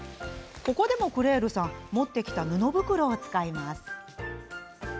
ここでもクレールさん持ってきた布袋を使っています。